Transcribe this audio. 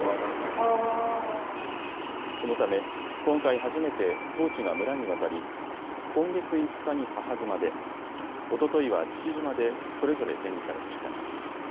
このため今回初めてトーチが村に渡り今月５日に母島で、おとといは父島でそれぞれ展示されました。